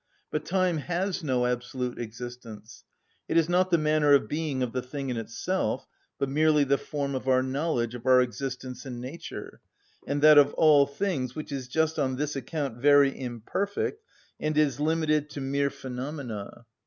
But time has no absolute existence; it is not the manner of being of the thing in itself, but merely the form of our knowledge of our existence and nature, and that of all things, which is just on this account very imperfect, and is limited to mere phenomena.